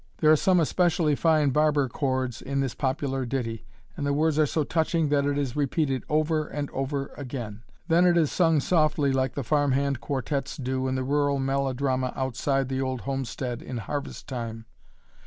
There are some especially fine "barber chords" in this popular ditty, and the words are so touching that it is repeated over and over again. Then it is sung softly like the farmhand quartettes do in the rural melodrama outside the old homestead in harvest time.